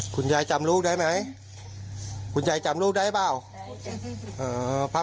คุณยายจำลูกได้ไหมคุณยายจำลูกได้หรือเปล่า